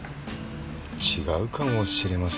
違うかもしれませんね。